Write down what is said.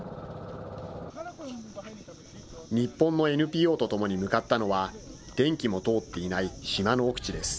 日本のＮＰＯとともに向かったのは、電気も通っていない島の奥地です。